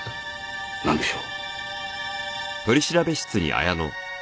なんでしょう？